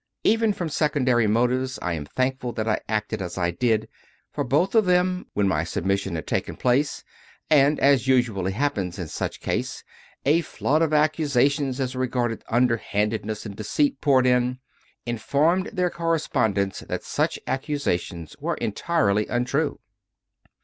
Even from secondary motives I am thankful that I acted as I did; for both of them, when my submission had taken place and, as usually happens in such cases, a flood of accusations as regarded underhandedness and deceit poured in, 86 CONFESSIONS OF A CONVERT informed their correspondents that such accusations were entirely untrue.